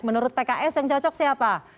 menurut pks yang cocok siapa